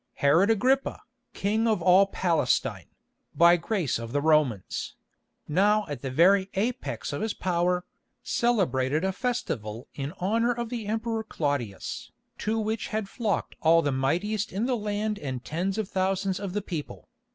Herod Agrippa, King of all Palestine—by grace of the Romans—now at the very apex of his power, celebrated a festival in honour of the Emperor Claudius, to which had flocked all the mightiest in the land and tens of thousands of the people.